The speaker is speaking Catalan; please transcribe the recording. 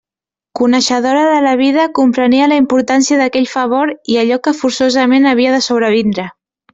Coneixedora de la vida, comprenia la importància d'aquell favor i allò que forçosament havia de sobrevindre.